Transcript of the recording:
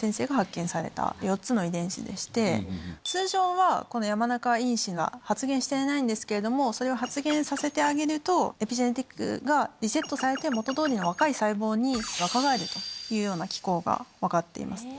通常はこの山中因子が発現していないんですけれどもそれを発現させてあげるとエピジェネティクスがリセットされて元通りの若い細胞に若返るというような機構が分かっています。